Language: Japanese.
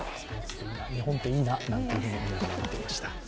日本っていいなって思いました。